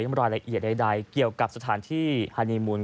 ยังไม่รอดละเอียดใดเกี่ยวกับสถานที่ฮาร์นีมูล